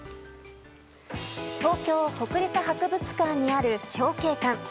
東京国立博物館にある表慶館。